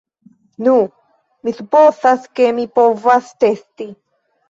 Nu, mi supozas, ke mi povas testi